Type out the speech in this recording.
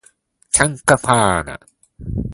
チャンカパーナ